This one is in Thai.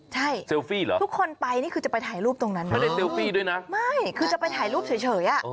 ใช่ทุกคนไปนี่คือจะไปถ่ายรูปตรงนั้นนะไม่คือจะไปถ่ายรูปเฉย